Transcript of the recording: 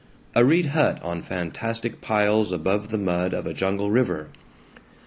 A reed hut on fantastic piles above the mud of a jungle river.